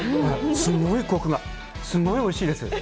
すごいこくが、すごいおいしいです。